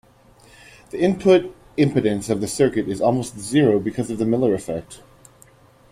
The input impedance of the circuit is almost zero because of the Miller effect.